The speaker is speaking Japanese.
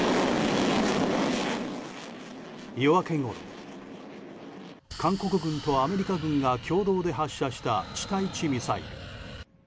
夜明けごろ韓国軍とアメリカ軍が共同で発射した地対地ミサイル。